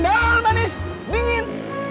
hahaha cendol manis dingin